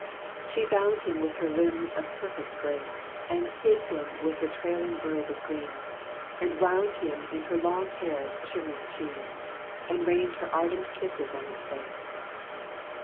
She bound him with her limbs of perfect grace, And hid him with her trailing robe of green, And wound him in her long hair's shimmering sheen, And rained her ardent kisses on his face.